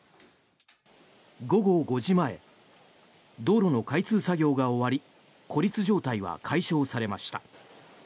午後５時前道路の開通作業が終わり孤立状態は解消されました。